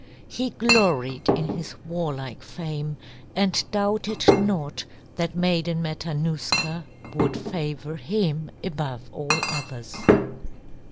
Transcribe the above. He gloried in his warlike fame and doubted not that Maiden Matanuska would favor him above all others.